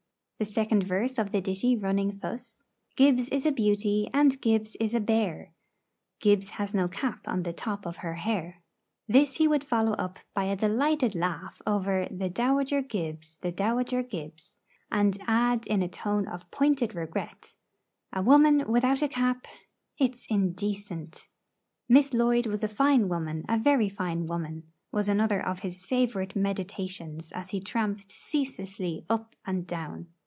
The second verse of the ditty running thus: Gibbs is a beauty, and Gibbs is a bear; Gibbs has no cap on the top of her hair. This he would follow up by a delighted laugh over 'the Dowager Gibbs, the Dowager Gibbs!' and add, in a tone of pointed regret, 'A woman without a cap it's indecent!' 'Miss Lloyd was a fine woman, a very fine woman,' was another of his favourite meditations as he tramped ceaselessly up and down.